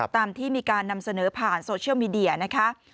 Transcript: ตามที่มีการนำเสนอผ่านโซเชียลมีเดียนะคะ